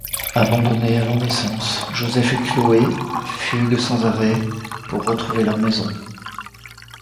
Abandonnés à leurs naissances, Joseph et Chloé fuguent sans arrêt pour retrouver leur maison.